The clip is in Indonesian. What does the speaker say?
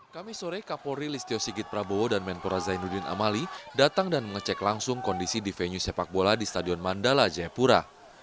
kami sore kapolri listio sigit prabowo dan menpora zainuddin amali datang dan mengecek langsung kondisi di venue sepak bola di stadion mandala jayapura